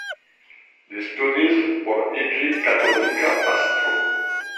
Li studis por iĝi katolika pastro.